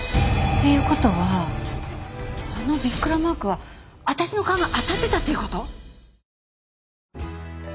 っていう事はあのびっくりマークは私の勘が当たってたっていう事？